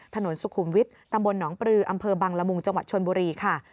ถนนสุขุมวิทย์ตำบลหนองปลืออำเภอบังละมุงจังหวัดชนบุรีค่ะ